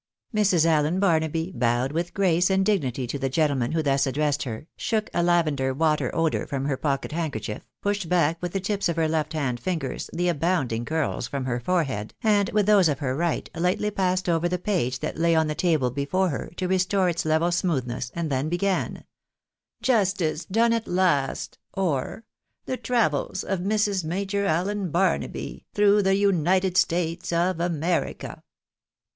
Mrs. Allen Barnaby bowed with grace and dignity to the gentleman who thus addressed her, shook a lavender water odour from her pocket handkerchief, pushed back with the tips of her left hand fingers the abounding curls from her forehead, and with those of her right, lightly passed over the page that lay on the table before her, to restore its level smoothness, and then began :—" JUSTICE DONE AT LAST ; OE, THE TEAVKLS OF MRS. MAJOR ALLEN BAENABT THROtrOH THE UNITED STATES OF AMERICA."